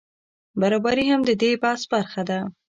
برابري هم د دې بحث برخه ده.